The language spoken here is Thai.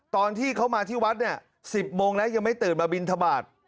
ตอนที่เขามาที่วัดเนี่ย๑๐โมงแล้วยังไม่ตื่นมาบินทบาท